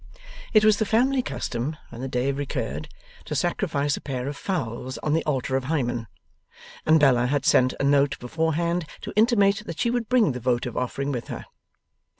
It was the family custom when the day recurred, to sacrifice a pair of fowls on the altar of Hymen; and Bella had sent a note beforehand, to intimate that she would bring the votive offering with her.